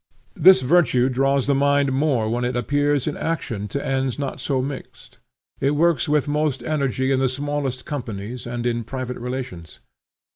This virtue draws the mind more when it appears in action to ends not so mixed. It works with most energy in the smallest companies and in private relations.